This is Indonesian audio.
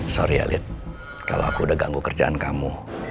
sorry yalit kalau aku udah ganggu kerjaan kamu